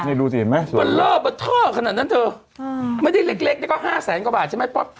นี่รู้สึกเห็นไหมสวยมากบันเทาะบันเทาะขนาดนั้นเถอะไม่ได้เล็กนี่ก็๕แสนกว่าบาทใช่ไหม